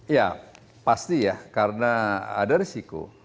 ya pasti ya karena ada risiko